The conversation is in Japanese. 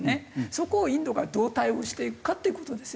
そこをインドがどう対応していくかっていう事ですよね。